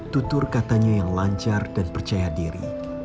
tutur katanya yang lancar dan percaya diri